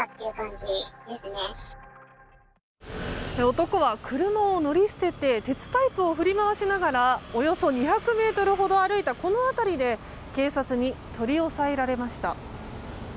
男は車を乗り捨てて鉄パイプを振り回しながらおよそ２００ｍほど歩いたこの辺りで警察に取り押さえられました。